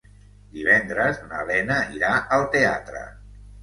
Divendres na Lena irà al teatre.